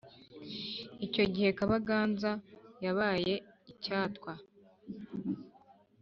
icyo gihe kabaganza yabaye icyatwa